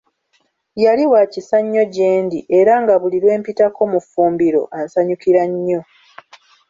Yali wa kisa nnyo gye ndi; era nga buli lwe mpitako mu ffumbiro ansanyukira nnyo.